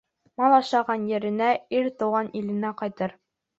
Мал ашаған еренә, ир тыуған иленә ҡайтыр.